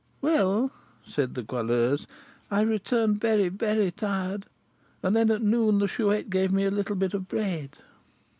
"Well," said the Goualeuse, "I returned very, very tired; then, at noon, the Chouette gave me a little bit of bread."